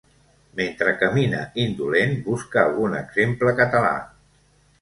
Mentre camina indolent busca algun exemple català.